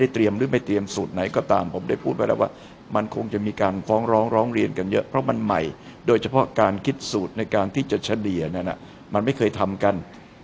หรือไม่เตรียมสูตรไหนก็ตามผมได้พูดไว้แล้วว่ามันคงจะมีการฟ้องร้องร้องเรียนกันเยอะเพราะมันใหม่โดยเฉพาะการคิดสูตรในการที่จะเฉลี่ยนั้นมันไม่เคยทำกัน